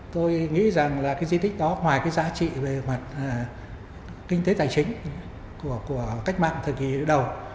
tôi nghĩ rằng là cái di tích đó ngoài cái giá trị về mặt kinh tế tài chính của cách mạng thời kỳ đầu